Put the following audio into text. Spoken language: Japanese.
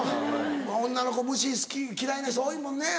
女の子虫嫌いな人多いもんね。